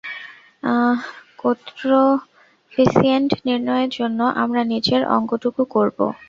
Coefficient নির্ণয়ের জন্য আমরা নিচের অংকটুক করবো।